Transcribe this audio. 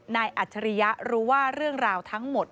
อัจฉริยะรู้ว่าเรื่องราวทั้งหมด